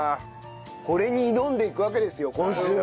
これに挑んでいくわけですよ今週は。